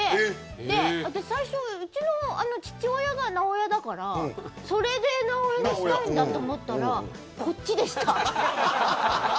最初、うちの父親がナオヤだからそれでナオヤにしたいのかなと思ったらこっちでした。